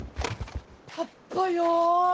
あっぱよー。